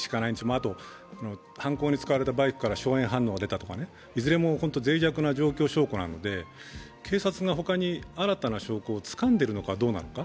あと、犯行に使われたバイクから硝煙反応が出たとか、いずれもぜい弱な状況証拠なので、警察が他に新たな証拠をつかんでいるのかどうなのか。